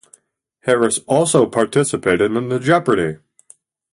Harris also participated in the Jeopardy!